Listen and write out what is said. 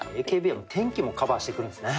ＡＫＢは天気もカバーしてくるんですね。